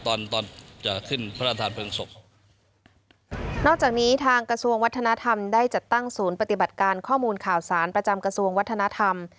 ตอนตอนจะขึ้นพระราชทานเพลิงศพนอกจากนี้ทางกระทรวงวัฒนธรรมได้จัดตั้งศูนย์ปฏิบัติการข้อมูลข่าวสารประจำกระทรวงวัฒนธรรม